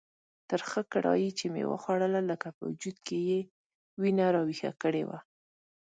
ترخه کړایي چې مې وخوړله لکه په وجود کې یې وینه راویښه کړې وه.